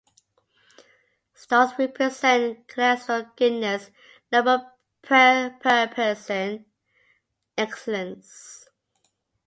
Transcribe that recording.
Stars represent celestial goodness; noble person; excellence.